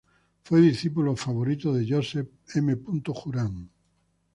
Fue discípulo favorito de Joseph M. Juran.